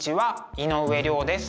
井上涼です。